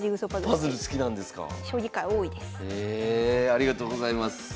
ありがとうございます。